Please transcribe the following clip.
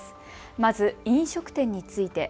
まず飲食店について。